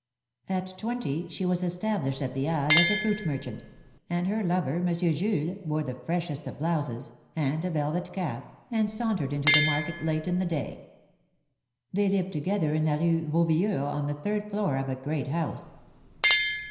At twenty she was established at the Halles as a fruit merchant, and her lover. Monsieur Jules, wore the freshest of blouses, and a velvet cap, and sauntered into the market late in the day. They lived together in la Eue Vauvilliirs, on the third floor of a great house.